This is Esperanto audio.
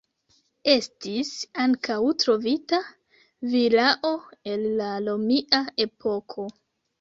Estis ankaŭ trovita vilao el la romia epoko.